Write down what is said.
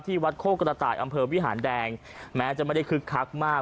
วัดโคกระต่ายอำเภอวิหารแดงแม้จะไม่ได้คึกคักมาก